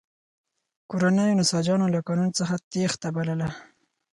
کورنیو نساجانو له قانون څخه تېښته بلله.